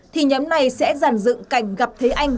thì nhóm này sẽ giàn dựng cảnh gặp thế anh